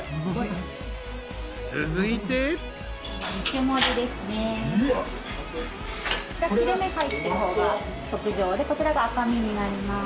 切れ目入ってる方が特上でこちらが赤身になります。